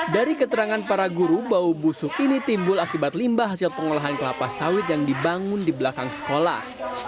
dari keterangan para guru bau busuk ini timbul akibat limbah hasil pengolahan kelapa sawit yang dibangun di belakang sekolah